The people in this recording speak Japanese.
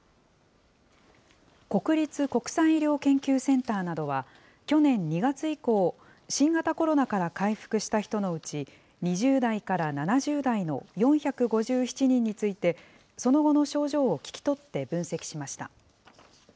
国立国際医療研究センターなどは、去年２月以降、新型コロナから回復した人のうち、２０代から７０代の４５７人について、その後の症状を聞き取って分析しました。